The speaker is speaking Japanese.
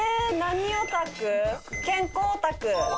健康オタク。